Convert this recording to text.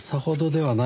はい。